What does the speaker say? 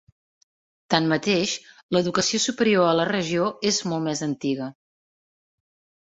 Tanmateix, l'educació superior a la regió és molt més antiga.